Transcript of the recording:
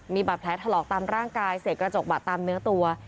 มีบาดแผลถลอกตามร่างกายเสกกระจกบัตรตามเนื้อตัว